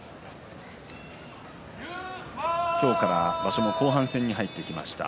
今日から場所の後半戦に入ってきました。